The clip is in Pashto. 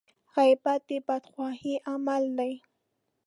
غيبت د بدخواهي عمل دی.